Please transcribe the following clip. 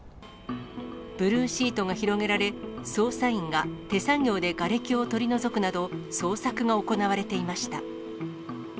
ブルーシートが広げられ、捜査員が手作業でがれきを取り除くなど、捜索が行われていました。